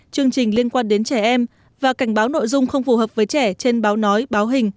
chương trình liên quan đến trẻ em và cảnh báo nội dung không phù hợp với trẻ trên báo nói báo hình